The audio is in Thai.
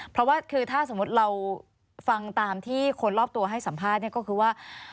เพราะว่าคือถ้าสมมุติเราฟังตามที่คนรอบตัวให้สัมภาษณ์เนี่ยก็คือว่า